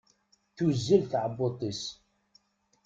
Tuzzel tɛebbuḍt-is.